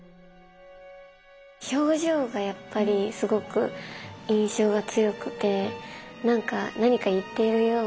表情がやっぱりすごく印象が強くて何か言っているような。